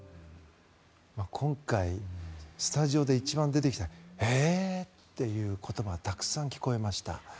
今回スタジオで一番出てきたえー！という言葉がたくさん聞こえました。